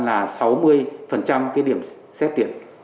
là sáu mươi điểm xét tuyển